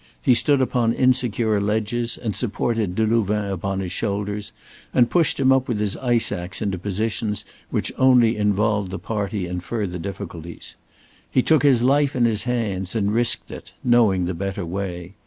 He stood upon insecure ledges and supported Delouvain upon his shoulders, and pushed him up with his ice ax into positions which only involved the party in further difficulties. He took his life in his hands and risked it, knowing the better way.